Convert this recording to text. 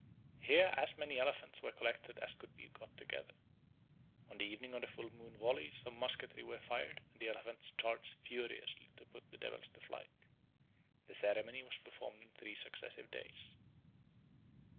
Here as many elephants were collected as could be got together. On the evening of the full moon volleys of musketry were fired and the elephants charged furiously to put the devils to flight. The ceremony was performed on three successive days.